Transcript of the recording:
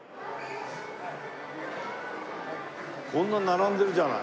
こんな並んでるじゃない。